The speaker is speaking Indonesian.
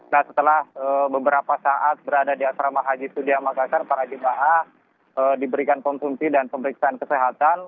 nah setelah beberapa saat berada di asrama haji sudiah makassar para jemaah diberikan konsumsi dan pemeriksaan kesehatan